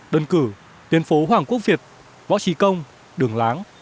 đơn cử tuyến phố hoàng quốc việt võ trí công đường láng